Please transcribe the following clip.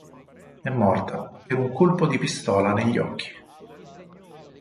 È morta per un colpo di pistola negli occhi.